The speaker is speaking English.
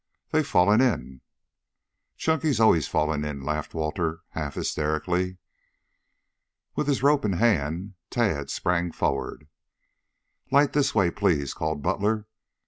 They've fallen in." "Chunky's always falling in," laughed Walter half hysterically. With his rope in hand, Tad sprang forward. "Light this way, please," called Butler.